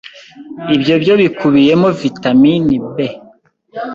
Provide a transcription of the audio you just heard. ibyo byo bikubiyemo vitamini B